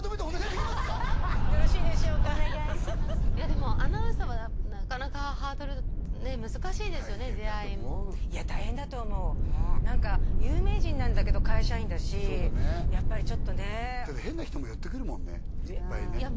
でもアナウンサーはなかなかハードルね難しいですよね出会いも大変だと思ういや大変だと思うねえ何か有名人なんだけど会社員だしやっぱりちょっとね変な人も寄ってくるもんねいっぱいねいや